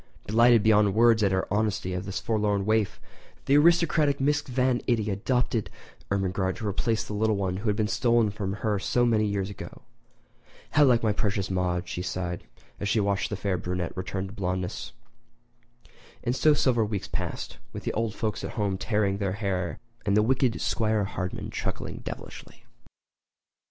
Delighted beyond words at the honesty of this forlorn waif, the aristocratic Mrs. Van Itty adopted Ermengarde to replace the little one who had been stolen from her so many years ago. "How like my precious Maude," she sighed, as she watched the fair brunette return to blondeness. And so several weeks passed, with the old folks at home tearing their hair and the wicked 'Squire Hardman chuckling devilishly.